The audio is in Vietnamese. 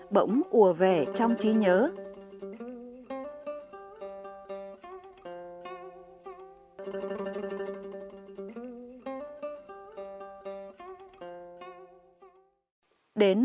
bỗng ùa về nhà tre xưa ngắm nhìn các vật dụng gia đình nơi thôn giã